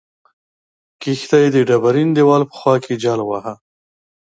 کښتۍ د ډبرین دیوال په خوا کې جل واهه.